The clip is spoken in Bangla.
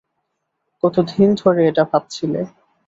কতদিন ধরে এটা ভাবছিলে?